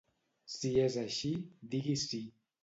Si es així, digui Sí.